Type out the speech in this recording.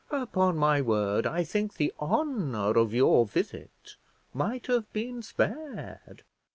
Upon my word I think the honour of your visit might have been spared!